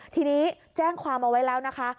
ทีนี้แจ้งความเอาไว้แล้วนะคะ